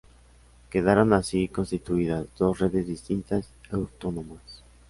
Quedaron así constituidas dos redes distintas y autónomas.